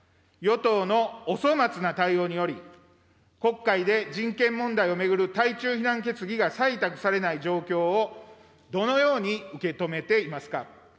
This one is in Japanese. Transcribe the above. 与党のお粗末な対応により、国会で人権問題を巡る対中非難決議が採択されない状況をどのように受け止めていますか。